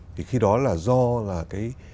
thì khi đó là do là cái